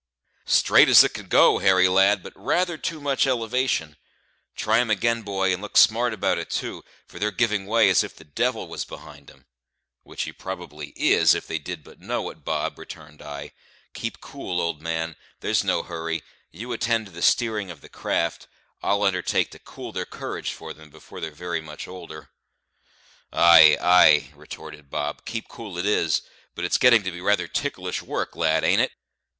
"Straight as it could go, Harry, lad, but rather too much elevation; try 'em again, boy, and look smart about it too, for they're giving way as if the devil was behind 'em." "Which he probably is, if they did but know it, Bob," returned I. "Keep cool, old man; there's no hurry; you attend to the steering of the craft, I'll undertake to cool their courage for them before they're very much older." "Ay, ay," retorted Bob, "keep cool it is; but it's getting to be rather ticklish work, lad, ain't it?"